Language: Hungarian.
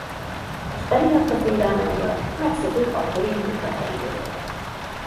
S emiatt a félelme miatt megszökött akkori munkahelyéről.